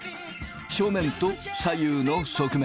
正面と左右の側面。